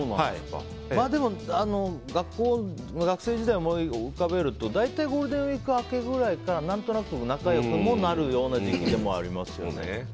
でも、学生時代を思い浮かべるとゴールデンウィーク明けぐらいから何となく仲良くもなるような時期でもありますよね。